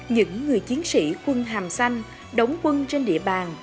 những người chiến sĩ quân hàm xanh đóng quân trên địa bàn